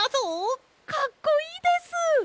かっこいいです！